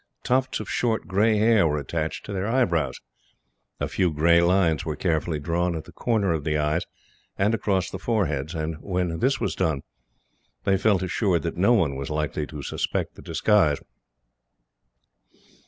Tufts of short grey hair were attached to their eyebrows; a few grey lines were carefully drawn at the corner of the eyes, and across the foreheads; and when this was done, they felt assured that no one was likely to suspect the disguise.